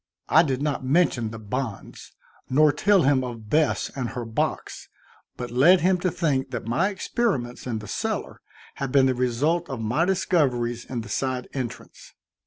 I did not mention the bonds, nor tell him of Bess and her box, but led him to think that my experiments in the cellar had been the result of my discoveries in the side entrance.